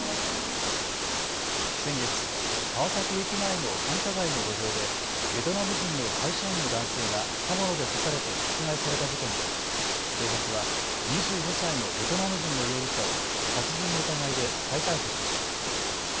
先月、川崎駅前の繁華街の路上でベトナム人の会社員の男性が刃物で刺されて殺害された事件で警察は２５歳のベトナム人の容疑者を殺人の疑いで再逮捕しました。